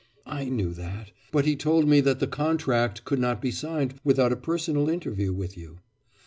'I knew that. But he told me that the contract could not be signed without a personal interview with you.